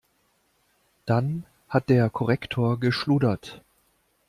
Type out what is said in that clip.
Dann hat der Korrektor geschludert.